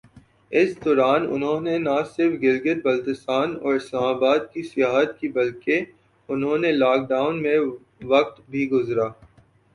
اس دوران انھوں نے نہ صرف گلگت بلستان اور اسلام آباد کی سیاحت کی بلکہ انھوں نے لاک ڈاون میں وقت بھی گزرا۔